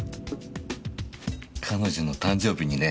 彼女の誕生日にね。